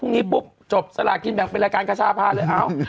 ผู้งี้ปุ๊บจบสลากกินแบ่งเป็นรายการว่าชาภาต่อเลยเอ้า